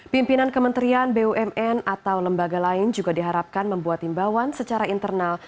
pimpinan kementerian bumn atau lembaga lain juga diharapkan membuat imbauan secara internal